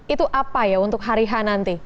itu apa ya untuk hari h nanti